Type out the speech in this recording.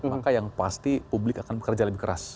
maka yang pasti publik akan bekerja lebih keras